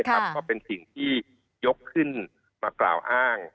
ก็เป็นสิ่งที่ยกขึ้นมากล่าวอ้าง